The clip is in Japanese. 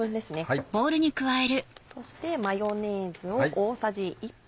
そしてマヨネーズを大さじ１杯。